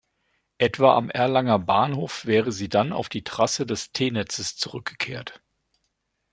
Etwa am Erlanger Bahnhof wäre sie dann auf die Trasse des T-Netzes zurückgekehrt.